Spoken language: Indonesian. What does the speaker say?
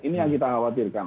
ini yang kita khawatirkan